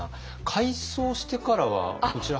改装してからはこちら。